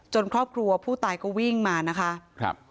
จนครอบครัวผู้ตายก็วิ่งมานะคะ